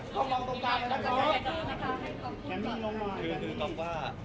ขอบคุณครับ